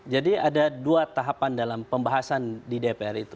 jadi ada dua tahapan dalam pembahasan di dpr